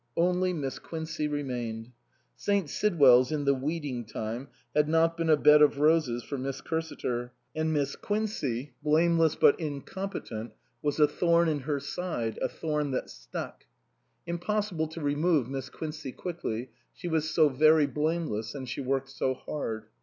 Only Miss Quincey remained. St. Sidwell's in the weeding time had not been a bed of roses for Miss Cursiter, and Miss Quincey, T.S.Q. 209 p SUPERSEDED blameless but incompetent, was a thorn in her side, a thorn that stuck. Impossible to remove Miss Quincey quickly, she was so very blame less and she worked so hard.